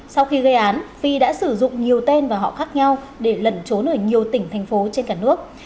sau khi gây án phi đã sử dụng nhiều tên và họ khác nhau để lẩn trốn ở nhiều tỉnh thành phố trên cả nước